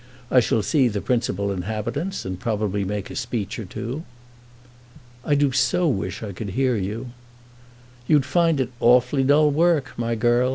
I shall see the principal inhabitants, and probably make a speech or two." "I do so wish I could hear you." "You'd find it awfully dull work, my girl.